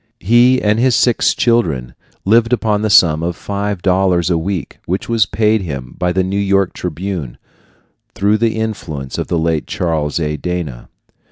He and his six children lived upon the sum of five dollars a week, which was paid him by the New York Tribune, through the influence of the late Charles A. Dana.